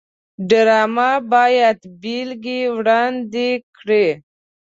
ډرامه باید بېلګې وړاندې کړي